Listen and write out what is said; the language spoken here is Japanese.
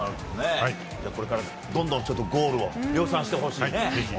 これからもどんどんゴールを量産してほしいね。